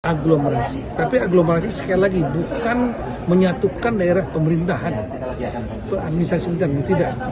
aglomerasi tapi aglomerasi sekali lagi bukan menyatukan daerah pemerintahan ke administrasi hutan tidak